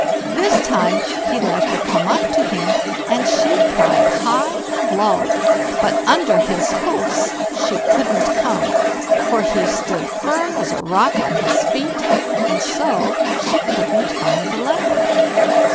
This time he let her come up to him, and she pried high and low, but under his hoofs she couldn't come, for he stood firm as a rock on his feet, and so she couldn't find the lad.